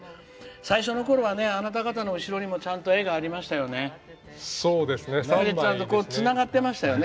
最初のころは、あなた方の後ろにもちゃんと絵がありましたよね。